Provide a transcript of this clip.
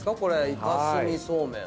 イカ墨そうめん。